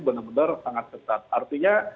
benar benar sangat ketat artinya